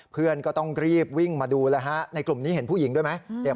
เพื่อนก็ต้องรีบวิ่งมาดูแล้วฮะในกลุ่มนี้เห็นผู้หญิงด้วยไหม